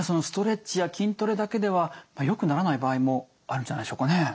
ストレッチや筋トレだけではよくならない場合もあるんじゃないでしょうかね。